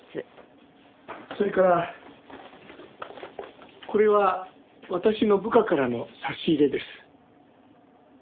それからこれは私の部下からの差し入れです。